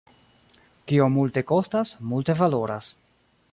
Kio multe kostas, multe valoras.